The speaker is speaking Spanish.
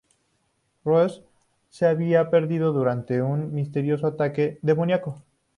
Rose se había perdido durante un misterioso ataque demoníaco.